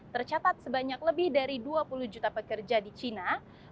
tercatat sebanyak lebih dari dua puluh juta pekerja di cina